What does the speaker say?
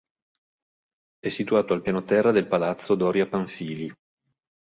È situato al piano terra del Palazzo Doria-Pamphilij.